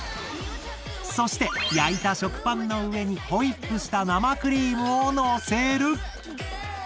そして焼いた食パンの上にホイップした生クリームをのせる。